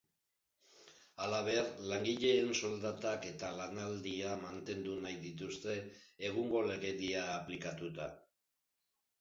Halaber, langileen soldatak eta lanaldia mantendu nahi dituzte, egungo legedia aplikatuta.